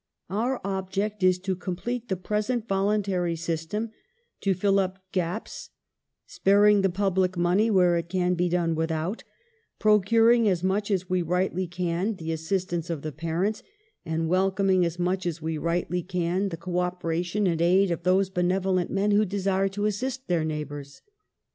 " Our object is to complete the present voluntary system, to fill up gaps, sparing the public money where it can be done without, procuring as much as we rightly can the assistance of the parents, and welcoming as much as we rightly can the co operation and aid of those benevolent men who desii e to assist their neighboui s."